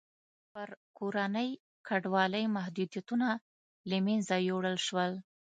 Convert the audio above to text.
پر کورنۍ کډوالۍ محدودیتونه له منځه یووړل شول.